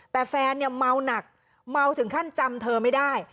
แต่แฟนเนี่ยเมาหนักเมาถึงขั้นจำเธอไม่ได้